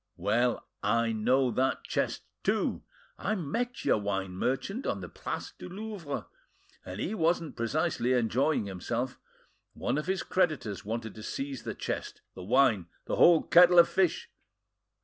Well, I know that chest too! I met your wine merchant on the Place du Louvre, and he wasn't precisely enjoying himself: one of his creditors wanted to seize the chest, the wine, the whole kettle of fish!